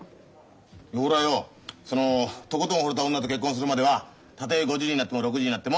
俺はよそのとことんほれた女と結婚するまではたとえ５０になっても６０になっても独りでいますからって。